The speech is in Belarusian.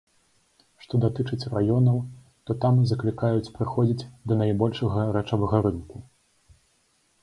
Што датычыць раёнаў, то там заклікаюць прыходзіць да найбольшага рэчавага рынку.